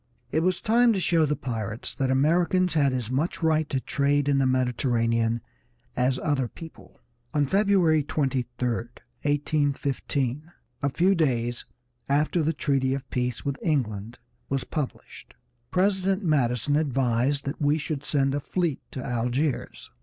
It was time to show the pirates that Americans had as much right to trade in the Mediterranean as other people. On February 23, 1815, a few days after the treaty of peace with England was published, President Madison advised that we should send a fleet to Algiers.